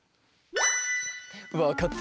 わかった？